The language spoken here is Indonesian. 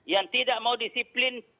yang tidak mau disiplin cabut izinnya